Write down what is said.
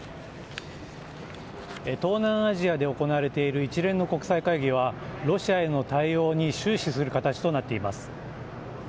東南アジアで行われている一連の国際会議はロシアへの対応に終始する形となっています。